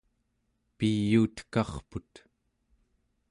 piyuutekarput